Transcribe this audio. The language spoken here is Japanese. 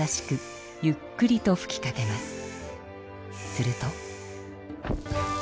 すると。